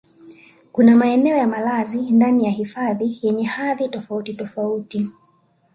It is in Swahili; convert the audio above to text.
Kuna maeneo ya malazi ndani ya hifadhi yenye hadhi tofautitofauti